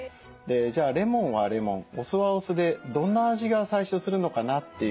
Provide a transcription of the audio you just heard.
じゃあレモンはレモンお酢はお酢でどんな味が最初するのかなっていう。